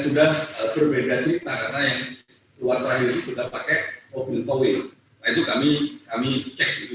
sudah berbeda cerita karena yang luar terakhir itu sudah pakai mobil kowi itu kami kami cek gitu